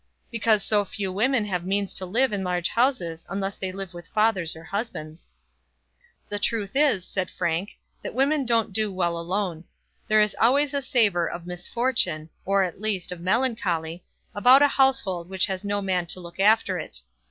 "Because so few women have the means to live in large houses, unless they live with fathers or husbands." "The truth is," said Frank, "that women don't do well alone. There is always a savour of misfortune, or, at least, of melancholy, about a household which has no man to look after it.